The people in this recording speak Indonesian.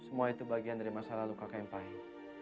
semua itu bagian dari masa lalu kakak yang pahit